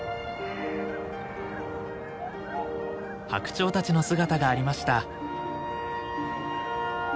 ハクチョウたちの姿がありました。